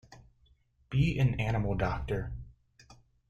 Be an animal-doctor.